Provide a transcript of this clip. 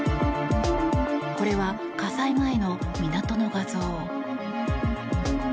これは火災前の港の画像。